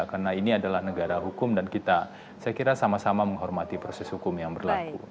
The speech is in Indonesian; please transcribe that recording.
karena ini adalah negara hukum dan kita saya kira sama sama menghormati proses hukum yang berlaku